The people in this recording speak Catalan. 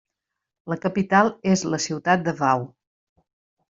La capital és la ciutat de Wau.